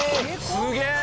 すげえ！